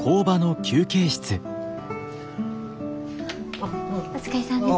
お疲れさんです。